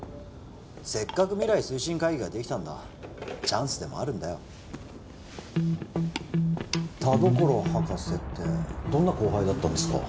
せっかく未来推進会議ができたんだチャンスでもあるんだよ田所博士ってどんな後輩だったんですか？